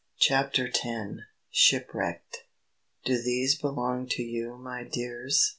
CHAPTER X. SHIPWRECKED "Do these belong to you, my dears?"